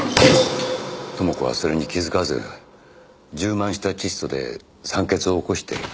知子はそれに気づかず充満した窒素で酸欠を起こして気を失って。